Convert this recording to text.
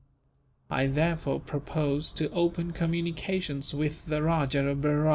I therefore propose to open communications with the Rajah of Berar.